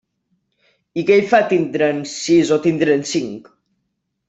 I què hi fa tindre'n sis o tindre'n cinc?